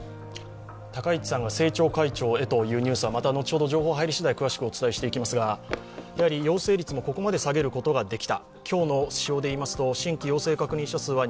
高市さんが政調会長へというニュースは、また情報が入りしだい、詳しくお伝えしていきますが、陽性率もここまで下げることができた。